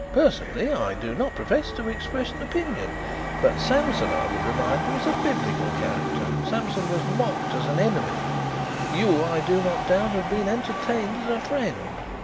Personally, I do not profess to express an opinion. But Samson, I would remind you, is a Biblical character. Samson was mocked as an enemy. You, I do not doubt, have been entertained as a friend."